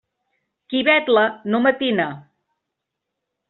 Qui vetla, no matina.